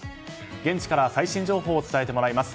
現地から最新情報を伝えてもらいます。